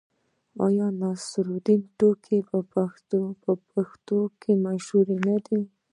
آیا د نصرالدین ټوکې په پښتنو کې مشهورې نه دي؟